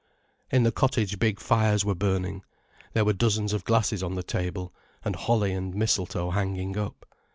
In the cottage big fires were burning, there were dozens of glasses on the table, and holly and mistletoe hanging up.